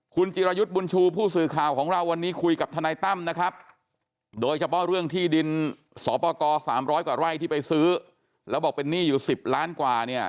คุณจิรายุทธ์บุญชูผู้สื่อข่าวของเราวันนี้คุยกับทนายตั้มนะครับโดยเฉพาะเรื่องที่ดินสอปกร๓๐๐กว่าไร่ที่ไปซื้อแล้วบอกเป็นหนี้อยู่๑๐ล้านกว่าเนี่ย